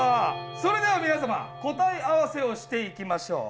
それでは皆様答え合わせをしていきましょう。